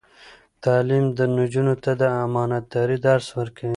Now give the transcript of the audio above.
تعلیم نجونو ته د امانتدارۍ درس ورکوي.